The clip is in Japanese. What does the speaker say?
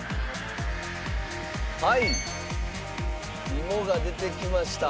はい芋が出てきました。